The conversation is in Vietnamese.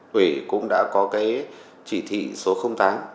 quỷ cũng đã có cái chỉ thị số tám